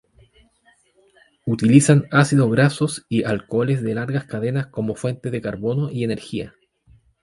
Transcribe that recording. Utilizan ácidos grasos y alcoholes de largas cadenas como fuentes de carbono y energía.